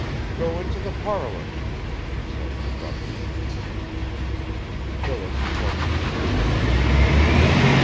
"Go into the parlor," she said abruptly. Phyllis plucked the sleeve of my coat.